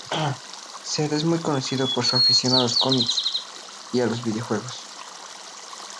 Seth es muy conocido por su afición a los cómics y a los videojuegos.